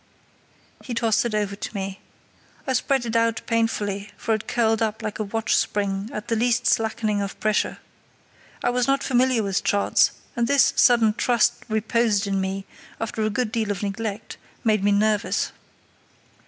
He tossed it over to me. I spread it out painfully, for it curled up like a watch spring at the least slackening of pressure. I was not familiar with charts, and this sudden trust reposed in me, after a good deal of neglect, made me nervous.